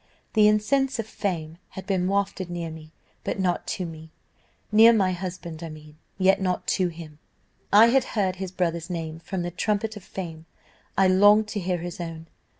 The incense of fame had been wafted near me, but not to me near my husband I mean, yet not to him; I had heard his brother's name from the trumpet of fame, I longed to hear his own.